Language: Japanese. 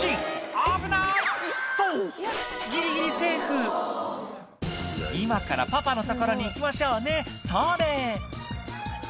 危ない！とギリギリセーフ「今からパパのところに行きましょうねそれ！」